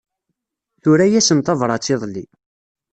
Tura-yasen tabrat iḍelli.